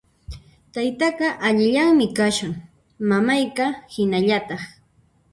Taytaqa allillanmi kashan, mamayqa hinallataq